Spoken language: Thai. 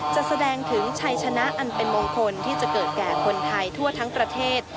แสดงถึงชัยชนะอันเป็นมงคลที่จะเกิดแก่คนไทยทั่วทั้งประเทศ